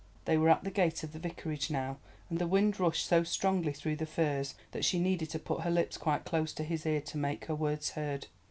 They were at the gate of the Vicarage now, and the wind rushed so strongly through the firs that she needed to put her lips quite close to his ear to make her words heard.